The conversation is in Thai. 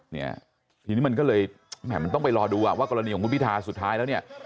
ทีนี้มันก็เลยแหม่มันต้องไปรอดูว่ากรณีของพุทธวิทยาสุดท้ายแล้ว